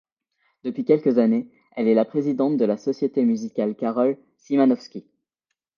Depuis quelques années, elle est la présidente de la Société Musicale Karol Szymanowski.